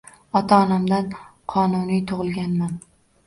Ota-onamdan qonuniy tugʻilganman.